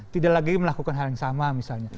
tidak lagi melakukan hal yang sama misalnya